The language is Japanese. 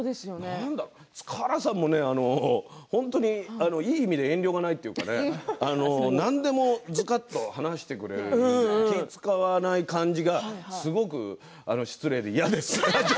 塚原さんも本当にいい意味で遠慮がないというか何でもずかっと話してくれるから気を遣わない感じがすごく失礼で、嫌です。